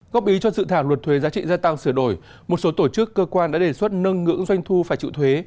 góp ý cho dự thảo luật thuế giá trị gia tăng sửa đổi một số tổ chức cơ quan đã đề xuất nâng ngưỡng doanh thu phải chịu thuế